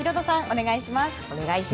お願いします。